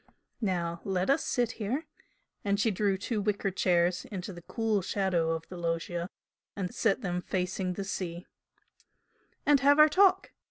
Now let us sit here" and she drew two wicker chairs into the cool shadow of the loggia and set them facing the sea "and have our talk!